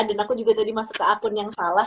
dan aku juga tadi masuk ke akun yang salah